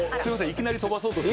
いきなり飛ばそうとして。